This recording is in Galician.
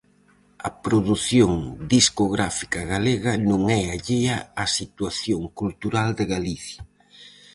A produción discográfica galega non é allea á situación cultural de Galicia.